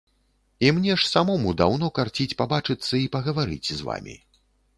І мне ж самому даўно карціць пабачыцца і пагаварыць з вамі.